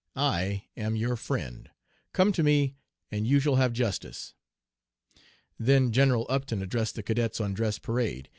I am your friend. Come to me and you shall have justice.' "Then General Upton addressed the cadets on dress parade.